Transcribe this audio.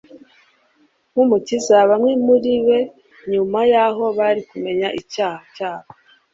nk'Umukiza. Bamwe muri be, nyuma y'aho bari kumenya icyaha cyabo,